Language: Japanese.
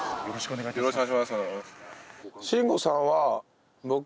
よろしくお願いします。